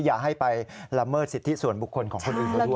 อย่าให้ไปละเมิดสิทธิส่วนบุคคลของคนอื่นเขาด้วย